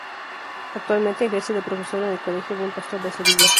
Actualmente, ejerce de profesor en el colegio Buen Pastor de Sevilla.